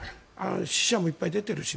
死者もいっぱい出てるし。